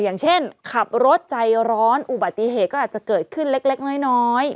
อย่างเช่นขับรถใจร้อนอุบัติเหตุก็อาจจะเกิดขึ้นเล็กน้อย